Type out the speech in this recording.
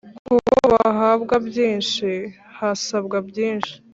kubo bahabwa byinshi, harasabwa byinshi.